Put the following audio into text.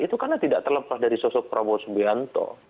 itu karena tidak terlepas dari sosok prabowo subianto